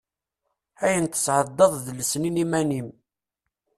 Ayen tesɛeddaḍ d lesnin iman-im.